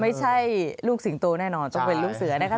ไม่ใช่ลูกสิงโตแน่นอนต้องเป็นลูกเสือนะคะ